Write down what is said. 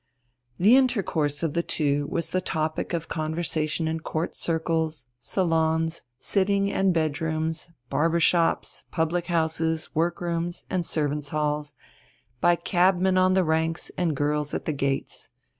The intercourse of the two was the topic of conversation in Court circles, salons, sitting and bedrooms, barbers' shops, public houses, workrooms, and servants' halls, by cabmen on the ranks and girls at the gates.